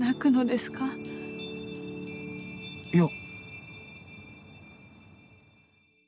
いや。